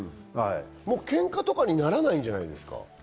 喧嘩とかにならないんじゃないですか？